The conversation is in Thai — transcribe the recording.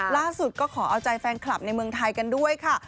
ล่าสุดก็ขอเอาใจแฟนคลับในเมืองไทยกันด้วยค่ะ